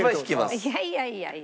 いやいやいやいやいい。